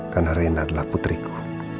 karena rena adalah putriku